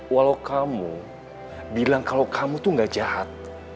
walau kamu bilang kalau kamu tuh gak jahat